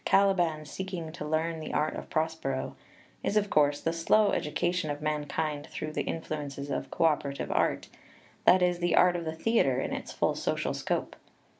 PREFACE xvii The theme of the Masque Caliban seeking to learn the art of Prospero is, of course, the slow education of mankind through the influences of cooperative art, that is, of the art of the theatre in its full social scope.